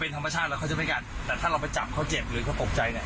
ธรรมชาติแล้วเขาจะไม่กัดแต่ถ้าเราไปจับเขาเจ็บหรือเขาตกใจเนี่ย